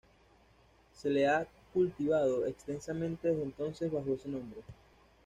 Se la ha cultivado extensamente desde entonces bajo este nombre.